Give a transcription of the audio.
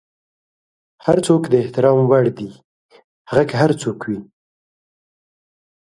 هر څوک د احترام وړ دی، هغه که هر څوک وي.